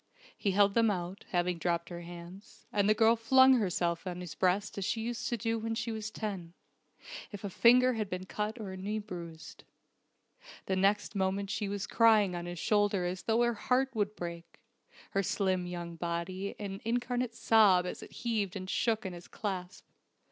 He held them out, having dropped her hands, and the girl flung herself on his breast as she used to do when she was ten, if a finger had been cut or a knee bruised. The next moment she was crying on his shoulder as though her heart would break, her slim young body an incarnate sob as it heaved and shook in his clasp.